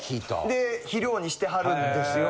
で肥料にしてはるんですよ。